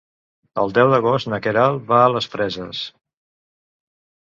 El deu d'agost na Queralt va a les Preses.